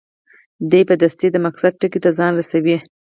دی په دستي د مقصد ټکي ته ځان رسوي.